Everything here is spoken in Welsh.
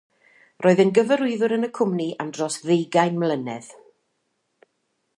Roedd e'n gyfarwyddwr yn y cwmni am dros ddeugain mlynedd.